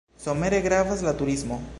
Somere gravas la turismo.